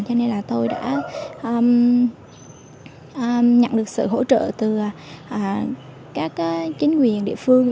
cho nên là tôi đã nhận được sự hỗ trợ từ các chính quyền địa phương